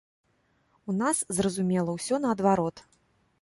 У нас, зразумела, усё наадварот.